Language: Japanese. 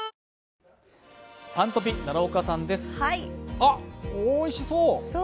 あっ、おいしそう。